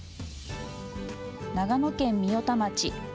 長野県御代田町。